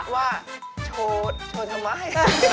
ว่าโชว์ทำไม